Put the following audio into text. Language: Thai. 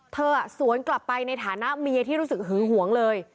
สวนกลับไปในฐานะเมียที่รู้สึกหึงหวงเลย